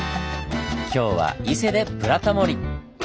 今日は伊勢で「ブラタモリ」！